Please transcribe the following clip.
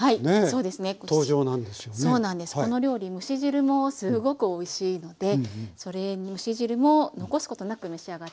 この料理蒸し汁もすごくおいしいので蒸し汁も残すことなく召し上がって頂きたい。